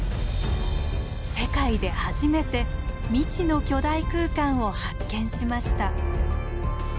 世界で初めて未知の巨大空間を発見しました。